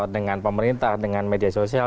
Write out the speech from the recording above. dengan pemerintah dengan media sosial